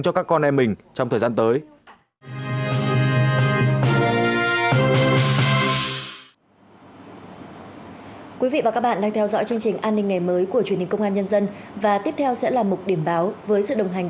cho các con em mình trong thời gian tới